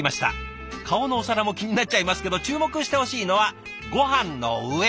顔のお皿も気になっちゃいますけど注目してほしいのはごはんの上！